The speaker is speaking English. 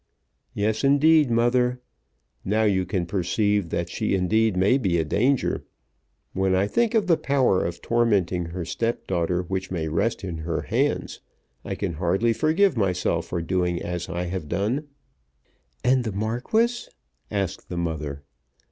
"Yes, indeed, mother. Now you can perceive that she indeed may be a danger. When I think of the power of tormenting her stepdaughter which may rest in her hands I can hardly forgive myself for doing as I have done." "And the Marquis?" asked the mother.